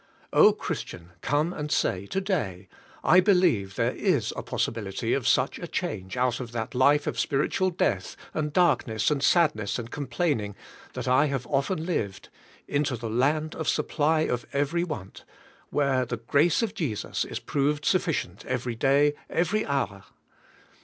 Oh, Christian, come and say to day, "I believe there is a possibility of such a change out of that life of spiritual death, and darkness, and sadness, and complaining, that I have often lived, into the land of supply of every want; where the grace of Jesus is proved sufficient every day, every hour.